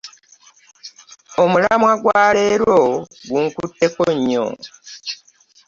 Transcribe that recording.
Omulamwa gwa leero gunkutteko nnyo.